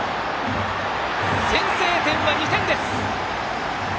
先制点は２点です！